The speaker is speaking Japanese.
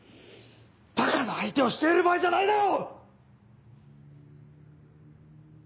バカの相手をしている場合じゃないだろ！